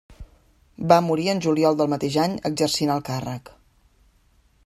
Va morir en juliol del mateix any exercint el càrrec.